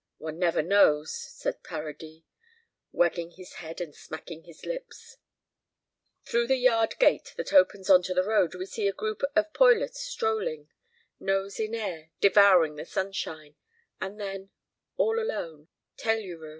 "One never knows," said Paradis, wagging his head and smacking his lips. Through the yard gate that opens on to the road we see a group of poilus strolling, nose in air, devouring the sunshine; and then, all alone, Tellurure.